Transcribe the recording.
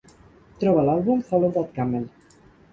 Troba l'àlbum Follow That Camel